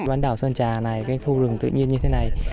bán đảo sơn trà này cái khu rừng tự nhiên như thế này